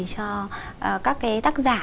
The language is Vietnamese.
cho các tác giả